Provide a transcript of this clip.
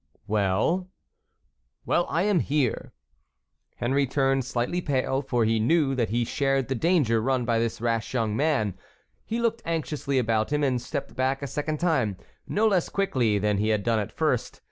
"Well?" "Well, I am here." Henry turned slightly pale, for he knew that he shared the danger run by this rash young man. He looked anxiously about him, and stepped back a second time, no less quickly than he had done at first.